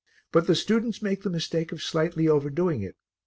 But the students make the mistake of slightly overdoing it.